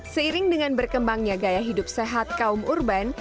seiring dengan berkembangnya gaya hidup sehat kaum urban